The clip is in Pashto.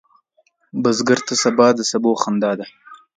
بزګر ته سبا د سبو خندا ده